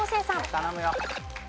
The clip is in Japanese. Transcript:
頼むよ。